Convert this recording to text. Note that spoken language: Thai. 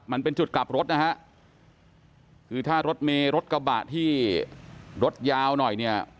มันเป็นจุดกลับรถนะฮะคือถ้ารถเมรถกระบะที่รถยาวหน่อยเนี่ย